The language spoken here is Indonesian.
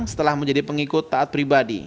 setelah menjadi pengikut taat pribadi